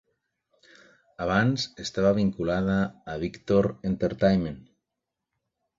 Abans estava vinculada a Victor Entertainment.